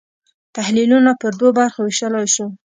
تحلیلونه پر دوو برخو وېشلای شو.